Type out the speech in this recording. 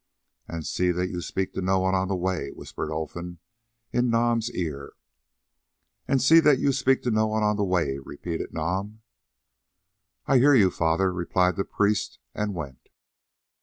"And see that you speak to no one on the way," whispered Olfan in Nam's ear. "And see that you speak to no one on the way," repeated Nam. "I hear you, father," replied the priest, and went.